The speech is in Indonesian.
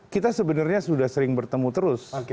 kita sebenarnya sudah sering bertemu terus